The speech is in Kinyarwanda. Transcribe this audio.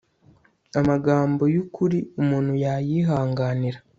amagambo y'ukuri umuntu yayihanganira